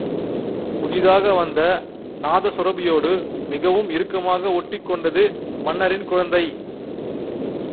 புதிதாக வந்த நாதசுரபியோடு மிகவும் இறுக்கமாக ஒட்டிக் கொண்டது மன்னரின் குழந்தை.